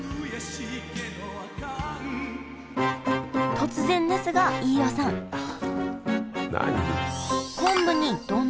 突然ですが飯尾さん何？